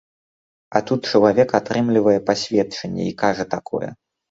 А тут чалавек атрымлівае пасведчанне і кажа такое!